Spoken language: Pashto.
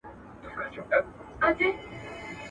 په لاسونو کي وې